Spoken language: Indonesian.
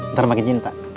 ntar makin cinta